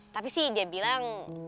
tapi sih dia bilang